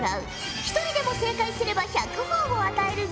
１人でも正解すれば１００ほぉを与えるぞ。